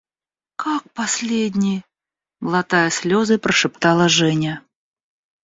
– Как – последний? – глотая слезы, прошептала Женя.